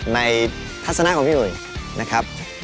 ทัศนะของพี่หุยนะครับ